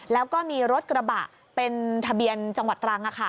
แล้วก็มีรถกระบะเป็นทะเบียนจังหวัดตรัง